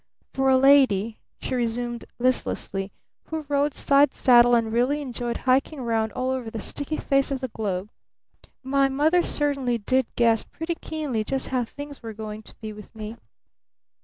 "For a lady," she resumed listlessly, "who rode side saddle and really enjoyed hiking 'round all over the sticky face of the globe, my mother certainly did guess pretty keenly just how things were going to be with me.